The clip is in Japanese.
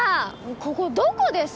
ここどこですか？